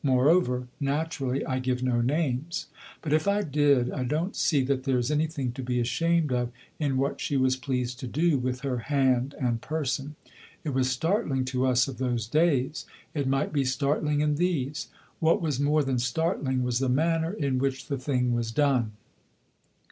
Moreover, naturally, I give no names; but if I did I don't see that there is anything to be ashamed of in what she was pleased to do with her hand and person. It was startling to us of those days, it might be startling in these; what was more than startling was the manner in which the thing was done.